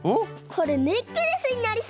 これネックレスになりそう！